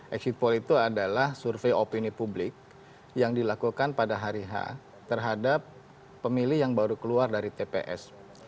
exit poll itu adalah survei opini publik yang dilakukan pada hari h terhadap pemilih yang baru keluar dari tps